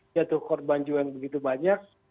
jatuh korban juga yang begitu banyak